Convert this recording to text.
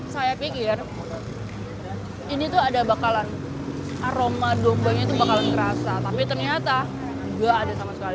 saya pikir ini tuh ada bakalan aroma dombanya itu bakalan kerasa tapi ternyata nggak ada sama sekali